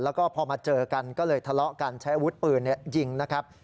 แล้วก็พอมาเจอกันก็เลยทะเลาะกันใช้อาวุธปืนยิงนะครับ